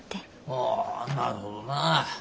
ああなるほどなぁ。